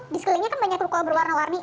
di sekelilingnya kan banyak ruko berwarna warni